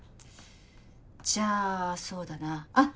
じゃあそうだなあっ